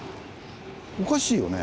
おかしいよね。